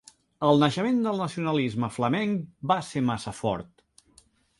El naixement del nacionalisme flamenc va ser massa fort.